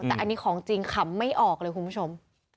แต่อันนี้ของจริงขำไม่ออกเลยคุณผู้ชม